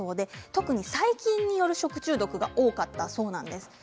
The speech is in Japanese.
特に細菌が原因の食中毒が多かったそうです。